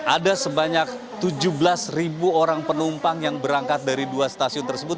ada sebanyak tujuh belas ribu orang penumpang yang berangkat dari dua stasiun tersebut